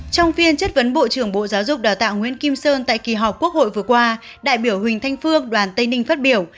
trong phiên chất vấn bộ trưởng bộ giáo dục đào tạo nguyễn kim sơn tại kỳ họp quốc hội vừa qua đại biểu huỳnh thanh phương đoàn tây ninh phát biểu